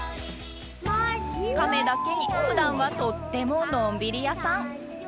カメだけに普段はとってものんびり屋さん